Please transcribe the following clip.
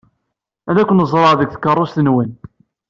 Ad ken-ẓṛeɣ deg tkeṛṛust-nwen.